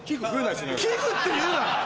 器具って言うな！